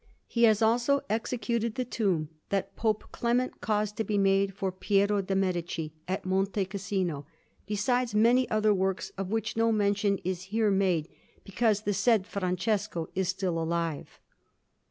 He has also executed the tomb that Pope Clement caused to be made for Piero de' Medici at Monte Cassino, besides many other works, of which no mention is here made because the said Francesco is still alive.